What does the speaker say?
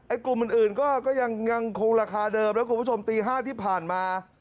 ไอ้กลุ่มอื่นอื่นก็ก็ยังยังคงราคาเดิมแล้วคุณผู้ชมตีห้าที่ผ่านมา